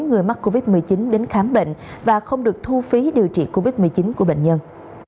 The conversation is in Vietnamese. người mắc covid một mươi chín đến khám bệnh và không được thu phí điều trị covid một mươi chín của bệnh nhân